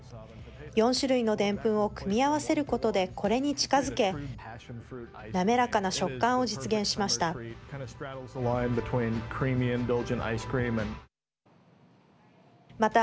４種類のでんぷんを組み合わせることでこれに近づけ滑らかな食感を実現しました。